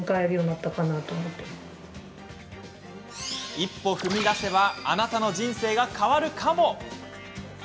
一歩踏み出せばあなたの人生が変わるかも。